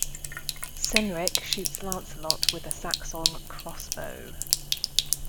Cynric shoots Lancelot with a Saxon crossbow.